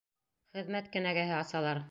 Хеҙмәт кенәгәһе асалар.